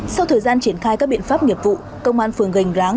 sau thời gian triển khai các biện pháp nghiệp vụ công an phường gành ráng